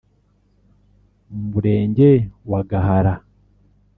mu murenge wa Gahara